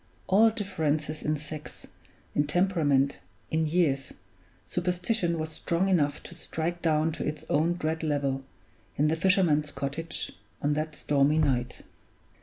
All differences in sex, in temperament, in years, superstition was strong enough to strike down to its own dread level, in the fisherman's cottage, on that stormy night.